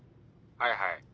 はいはい。